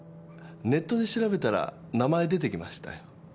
ネットで調べたら名前出てきましたよ。